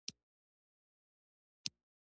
هوښیاري دا ده چې د تېرو نه زده کړې.